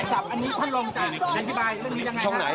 ช่องไหนช่องไหน